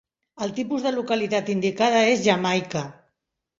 El tipus de localitat indicada és "Jamaica".